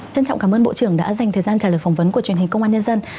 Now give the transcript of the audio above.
trân trọng cảm ơn bộ trưởng đã dành thời gian trả lời phỏng vấn của truyền hình công an nhân dân